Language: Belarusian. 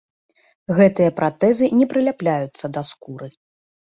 Гэтыя пратэзы не прыляпляюцца да скуры.